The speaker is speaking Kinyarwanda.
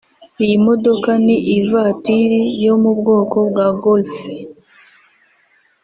Iyi modoka ni ivatiri yo mu bwoko bwa Golfe